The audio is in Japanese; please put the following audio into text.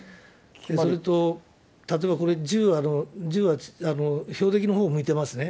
それと例えばこれ、銃は標的のほうを向いてますね。